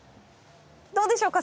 どうでしょうか？